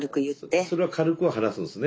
ああそれは軽くは話すんですね